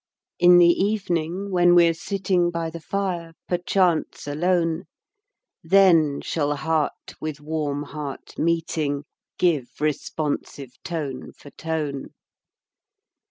In the evening, when we're sitting By the fire, perchance alone, Then shall heart with warm heart meeting, Give responsive tone for tone.